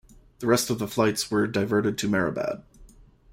The rest of the flights were diverted to Mehrabad.